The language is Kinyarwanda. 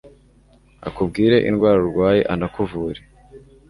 akubwire indwara urwaye anakuvure